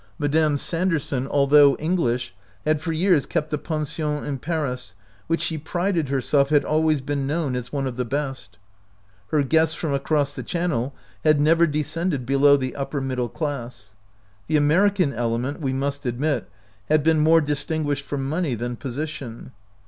Madame Sanderson, although English, had for years kept a pension in Paris which she prided herself had always been known as one of the best. Her guests from across the channel had never descended below the upper middle class. The American ele ment, we must admit, had been more dis tinguished for money than position.